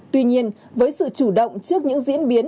tuy nhiên với sự chủ động trước những diễn biến